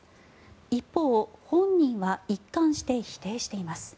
一方、本人は一貫して否定しています。